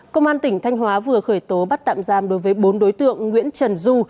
công an tỉnh thanh hóa vừa khởi tố bắt tạm giam đối với bốn đối tượng nguyễn trần du